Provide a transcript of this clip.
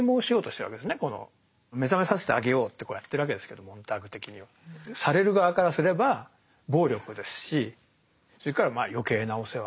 目覚めさせてあげようってこうやってるわけですけどモンターグ的にはされる側からすれば暴力ですしそれからまあ余計なお世話。